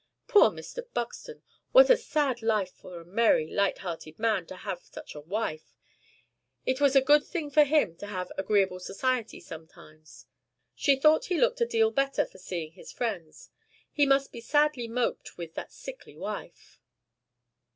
Poor Mr. Buxton! What a sad life for a merry, light hearted man to have such a wife! It was a good thing for him to have agreeable society sometimes. She thought he looked a deal better for seeing his friends. He must be sadly moped with that sickly wife.